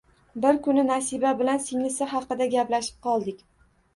Bir kuni Nasiba bilan singlisi haqida gaplashib qoldik